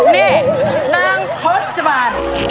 นี่นางพจมาน